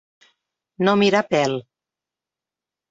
No mirar pèl.